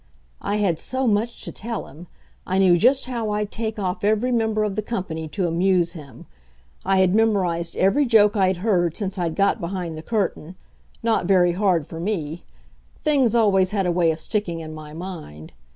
I had so much to tell him. I knew just how I'd take off every member of the company to amuse him. I had memorized every joke I'd heard since I'd got behind the curtain not very hard for me; things always had a way of sticking in my mind.